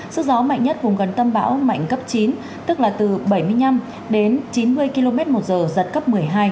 sức gió mạnh nhất vùng gần tâm bão mạnh cấp chín tức là từ bảy mươi năm đến chín mươi km một giờ giật cấp một mươi hai